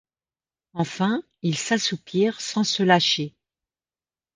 Enfin, ils s’assoupirent, sans se lâcher.